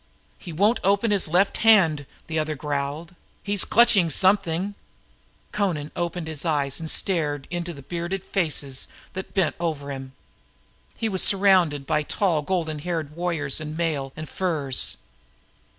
"He won't open his left hand," growled another, his voice indicating muscular strain. "He's clutching something—" Amra opened his eyes and stared into the bearded faces that bent over him. He was surrounded by tall golden haired warriors in mail and furs.